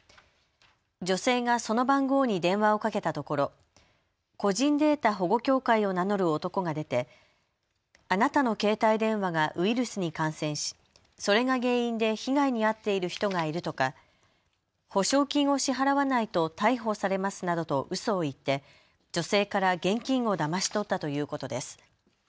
女性がその番号に電話をかけたところ個人データ保護協会を名乗る男が出てあなたの携帯電話がウイルスに感染し、それが原因で被害に遭っている人がいるとか、補償金を支払わないと逮捕されますなどとうそを言って女性から現金をだまし取ったということです。